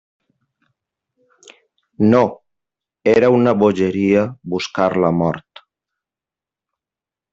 No; era una bogeria buscar la mort.